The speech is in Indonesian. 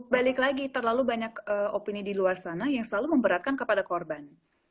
balik lagi terlalu banyak opini di luar sana yang selalu memberatkan kepada korban